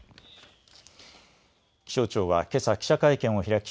気象庁はけさ記者会見を開き